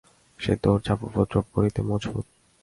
সে দৌড়ধাপ উপদ্রব করিতে মজবুত।